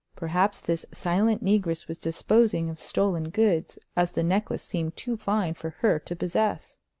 Perhaps this silent negress was disposing of stolen goods, as the necklace seemed too fine for her to possess.